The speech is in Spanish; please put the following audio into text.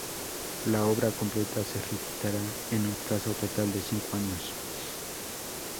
La obra completa se ejecutará en un plazo total de cinco años.